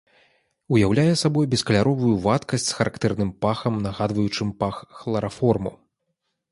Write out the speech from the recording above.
Уяўляе сабой бескаляровую вадкасць з характэрным пахам, нагадваючым пах хлараформу.